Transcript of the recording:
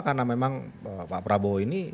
karena memang pak prabowo ini